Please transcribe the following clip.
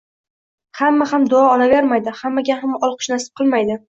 Hamma ham duo olavermaydi, hammaga ham olqish nasib qilmaydi